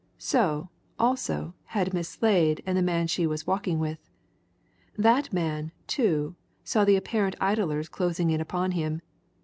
So, also, had Miss Slade and the man she was walking with. That man, too, saw the apparent idlers closing in upon him.